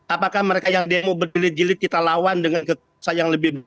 apakah mereka yang dia mau berjilid jilid kita lawan dengan kekesan yang lebih